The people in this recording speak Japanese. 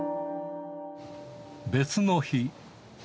別の日。